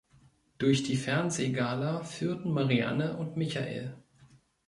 Durch die Fernsehgala führten Marianne und Michael.